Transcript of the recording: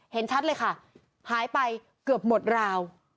เห็นชัดเลยค่ะหายไปเกือบหมดราว